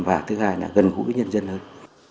và thứ hai là gần gũi nhân dân hơn